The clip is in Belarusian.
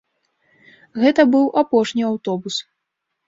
Гэта быў апошні аўтобус.